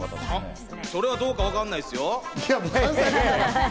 それはどうかわかんないっすよ。